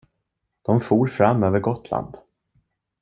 De for fram över Gotland.